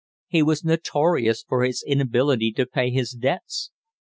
He was notorious for his inability to pay his debts.